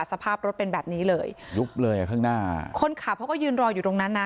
สภาพรถเป็นแบบนี้เลยยุบเลยอ่ะข้างหน้าคนขับเขาก็ยืนรออยู่ตรงนั้นนะ